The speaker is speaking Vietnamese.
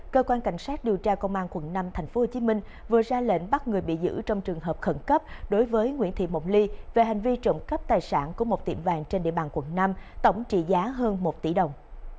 cơ quan cảnh sát điều tra công an quận năm tp hcm vừa ra lệnh bắt người bị giữ trong trường hợp khẩn cấp đối với nguyễn thị mộng ly về hành vi trộm cắp tài sản của một tiệm vàng trên địa bàn quận năm tổng trị giá hơn một tỷ đồng